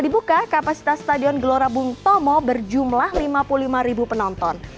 dibuka kapasitas stadion gelora bung tomo berjumlah lima puluh lima penonton